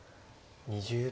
２０秒。